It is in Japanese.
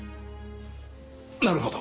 なるほど。